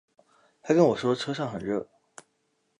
她跟我说车上很热